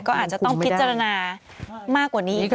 ก็อาจจะต้องพิจารณามากกว่านี้อีก